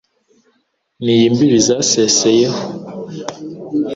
N' iy' imbibi zaseseyeho